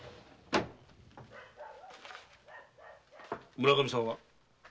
村上さんは？